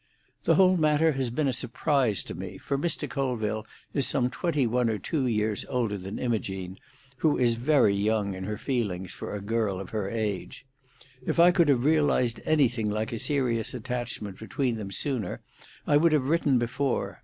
"The whole matter has been a surprise to me, for Mr. Colville is some twenty one or two years older than Imogene, who is very young in her feelings for a girl of her age. If I could have realised anything like a serious attachment between them sooner, I would have written before.